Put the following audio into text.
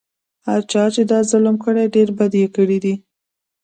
هر چا چې دا ظلم کړی ډېر بد یې کړي دي.